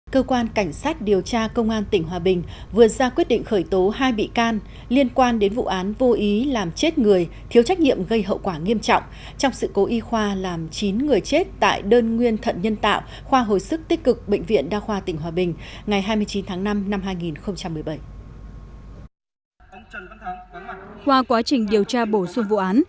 cơ quan cảnh sát điều tra công an tỉnh hòa bình vừa ra quyết định khởi tố hai bị can liên quan đến vụ án vô ý làm chết người thiếu trách nhiệm gây hậu quả nghiêm trọng trong sự cố y khoa làm chín người chết tại đơn nguyên thận nhân tạo khoa hồi sức tích cực bệnh viện đa khoa tỉnh hòa bình ngày hai mươi chín tháng năm năm hai nghìn một mươi bảy